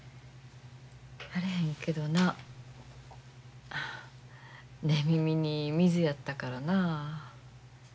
あれへんけどな寝耳に水やったからな。